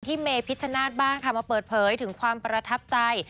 เมพิชชนาธิ์บ้างค่ะมาเปิดเผยถึงความประทับใจ